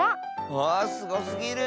あすごすぎる！